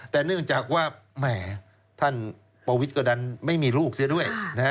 แต่เนื่องจากว่าแหมท่านประวิทย์ก็ดันไม่มีลูกเสียด้วย